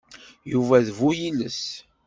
Yuba d bu-yiles.